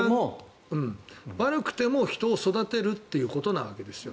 悪くても人を育てるということなわけですよ。